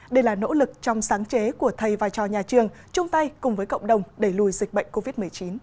đây là nỗ lực trong sáng chế của thầy và trò nhà trường chung tay cùng với cộng đồng đẩy lùi dịch bệnh covid một mươi chín